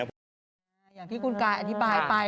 อย่างที่คุณกายอธิบายไป